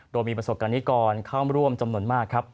โดยมีประสบกรณิกรเข้าร่วมจำนวนมากครับ